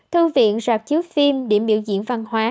thư viện rạp chiếu phim điểm biểu diễn văn hóa